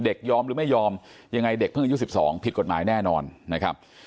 ยอมหรือไม่ยอมยังไงเด็กเพิ่งอายุ๑๒ผิดกฎหมายแน่นอนนะครับ